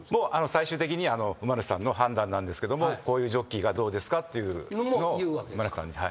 最終的に馬主さんの判断なんですけどもこういうジョッキーがどうですかっていうのを馬主さんに。